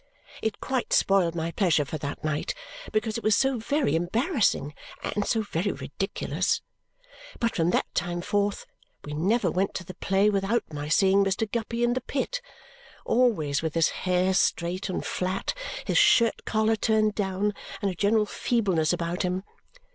It quite spoiled my pleasure for that night because it was so very embarrassing and so very ridiculous. But from that time forth, we never went to the play without my seeing Mr. Guppy in the pit, always with his hair straight and flat, his shirt collar turned down, and a general feebleness about him.